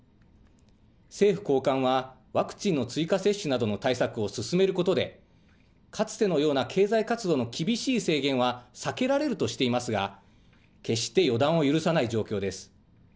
政府高官はワクチンの追加接種などの対策を進めることで、かつてのような経済活動の厳しい制限は避けられるとしていますが、決して予断を許さない状況です。